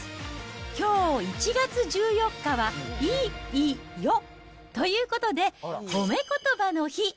きょう１月１４日は、い・い・よ、ということで、褒め言葉の日。